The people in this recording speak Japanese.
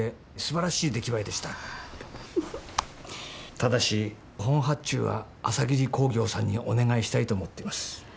ただし本発注は朝霧工業さんにお願いしたいと思ってます。